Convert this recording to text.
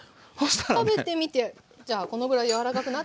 食べてみてじゃあこのぐらい柔らかくなっていたら。